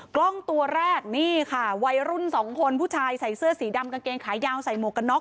กล้องตัวแรกนี่ค่ะวัยรุ่นสองคนผู้ชายใส่เสื้อสีดำกางเกงขายาวใส่หมวกกันน็อ